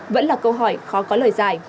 vẫn là câu hỏi khó có lời giải